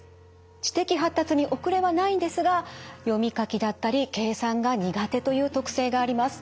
知的発達に遅れはないんですが読み書きだったり計算が苦手という特性があります。